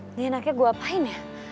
ini enaknya gue apain ya